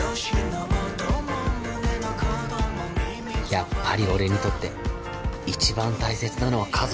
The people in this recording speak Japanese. やっぱり俺にとって一番大切なのは家族だ